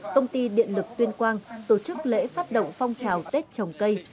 công ty điện lực tuyên quang tổ chức lễ phát động phong trào tết trồng cây